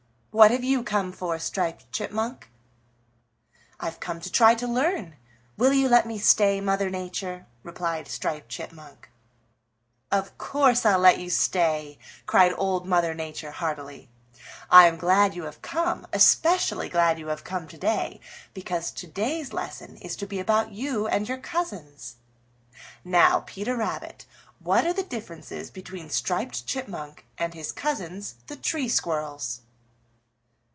"What have you come for, Striped Chipmunk?" "I've come to try to learn. Will you let me stay, Mother Nature?" replied Striped Chipmunk. "Of course I'll let you stay," cried Old Mother Nature heartily. "I am glad you have come, especially glad you have come today, because to day's lesson is to be about you and your cousins. Now, Peter Rabbit, what are the differences between Striped Chipmunk and his cousins, the Tree Squirrels?"